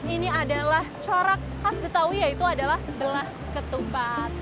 ini adalah corak khas betawi yaitu adalah belah ketupat